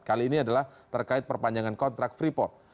kali ini adalah terkait perpanjangan kontrak freeport